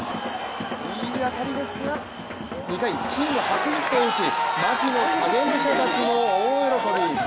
いい当たりですが、２回チーム初ヒットを放ち牧の影武者たちも大喜び。